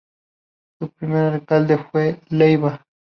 Su primer alcalde fue Leiva.